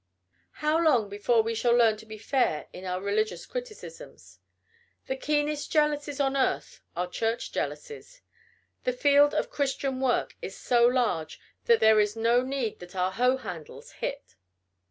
How long before we shall learn to be fair in our religious criticisms! The keenest jealousies on earth are church jealousies. The field of Christian work is so large that there is no need that our hoe handles hit.